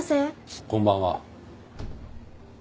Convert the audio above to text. こんばんは。